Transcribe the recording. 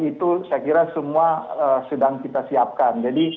itu saya kira semua sedang kita siapkan